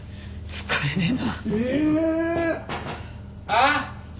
使えねえな！